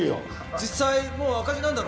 実際もう赤字なんだろ？